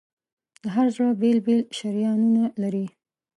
د هر زړه بېل بېل شریانونه لري.